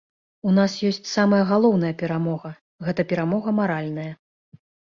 У нас ёсць самая галоўная перамога, гэта перамога маральная.